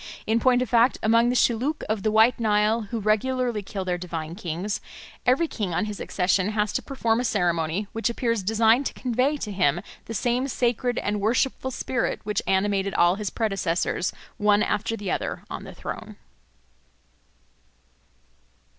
In point of fact, among the Shilluk of the White Nile, who regularly kill their divine kings, every king on his accession has to perform a ceremony which appears designed to convey to him the same sacred and worshipful spirit which animated all his predecessors, one after the other, on the throne.